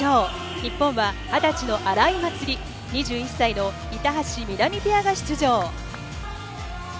日本は２０歳の荒井祭里、２１歳の板橋美波ペアが出場。